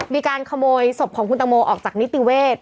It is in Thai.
มีการขโมยศพของคุณตังโมออกจากนิติเวศ